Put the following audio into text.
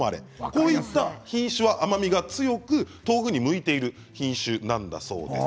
こういった品種は甘みが強く豆腐に向いている品種なんだそうです。